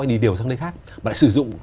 anh đi điều sang nơi khác mà lại sử dụng